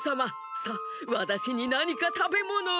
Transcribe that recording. さあわたしになにかたべものを！